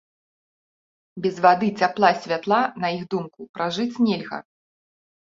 Без вады, цяпла, святла, на іх думку, пражыць нельга.